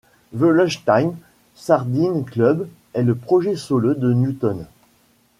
The Lunchtime Sardine Club est le projet solo de Newton.